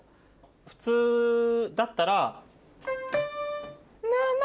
普通だったら。ナナ